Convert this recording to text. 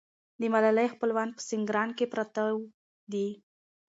د ملالۍ خپلوان په سینګران کې پراته دي.